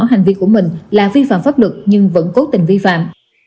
hành vi của mình là vi phạm pháp luật nhưng vẫn cố tình vi phạm